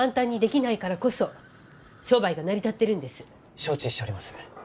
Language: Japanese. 承知しております。